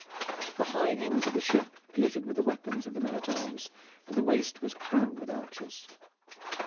The high ends of the ship glittered with the weapons of the men at arms, and the waist was crammed with the archers.